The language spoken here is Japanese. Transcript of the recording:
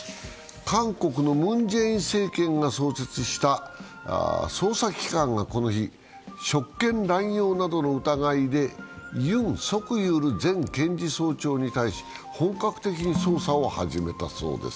韓国のムン・ジェイン政権が創設した捜査機関がこの日、職権乱用などの疑いでユン・ソクヨル前検事長に対し本格的に捜査を始めたそうです。